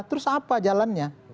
terus apa jalannya